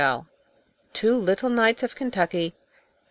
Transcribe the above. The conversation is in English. ] TWO LITTLE KNIGHTS OF KENTUCKY.